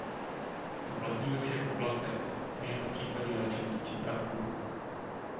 To platí ve všech oblastech, nejen v případě léčivých přípravků.